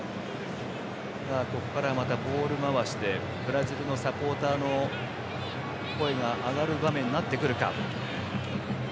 ここから、またボール回しでブラジルのサポーターの声が上がる場面になってくるか。